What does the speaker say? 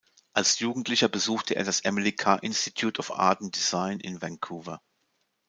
Als Jugendlicher besuchte er das Emily Carr Institute of Art and Design in Vancouver.